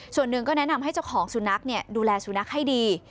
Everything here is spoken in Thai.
ส่วนหนึ่งก็แนะนำให้เจ้าของสุนัขดูแลสุนัขให้ดี